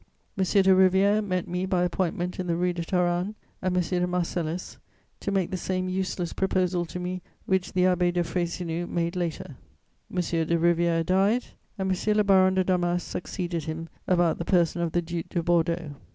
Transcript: M. de Rivière met me by appointment in the Rue de Taranne, at M. de Marcellus', to make the same useless proposal to me which the Abbé de Frayssinous made later. M. de Rivière died, and M. le Baron de Damas succeeded him about the person of the Duc de Bordeaux.